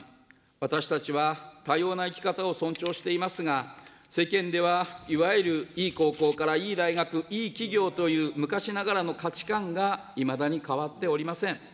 私たちは多様な生き方を尊重していますが、世間では、いわゆる、いい高校から、いい大学、いい企業という昔ながらの価値観が、いまだに変わっておりません。